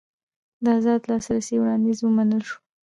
د ازاد لاسرسي وړاندیز ومنل شو.